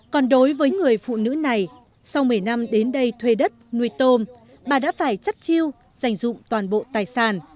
còn đối với người phụ nữ này sau một mươi năm đến đây thuê đất nuôi tôm bà đã phải chất chiêu dành dụng toàn bộ tài sản